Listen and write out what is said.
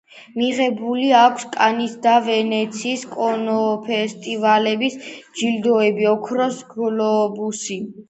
მიღებული აქვს კანისა და ვენეციის კინოფესტივალების ჯილდოები, ოქროს გლობუსი.